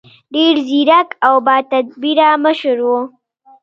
ډېر ځیرک او باتدبیره مشر و.